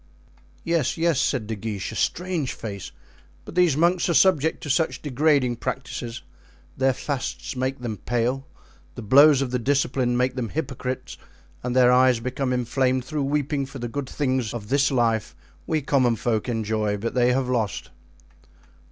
"Yes, yes," said De Guiche, "a strange face; but these monks are subject to such degrading practices; their fasts make them pale, the blows of the discipline make them hypocrites, and their eyes become inflamed through weeping for the good things of this life we common folk enjoy, but they have lost."